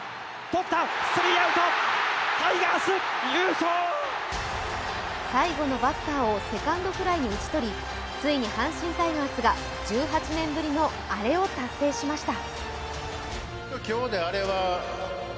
そして９回最後のバッターをセカンドフライに打ち取り、ついに阪神タイガースが１８年ぶりのアレを達成しました。